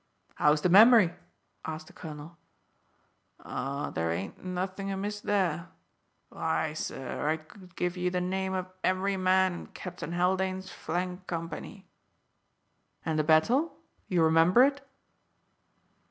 "How's the memory?" asked the colonel. "Oh, there ain't nothing amiss there. Why, sir, I could give you the name of every man in Captain Haldane's flank company." "And the battle you remember it?"